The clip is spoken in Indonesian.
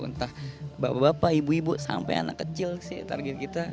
entah bapak bapak ibu ibu sampai anak kecil sih target kita